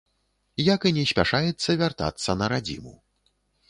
Як і не спяшаецца вяртацца на радзіму.